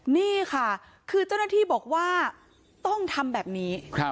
นี่ค่ะคือเจ้าหน้าที่บอกว่าต้องทำแบบนี้